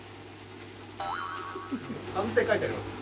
３って書いてあります。